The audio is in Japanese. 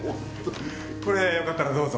これよかったらどうぞ。